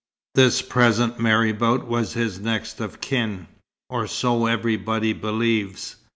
This present marabout was his next of kin or so everybody believes.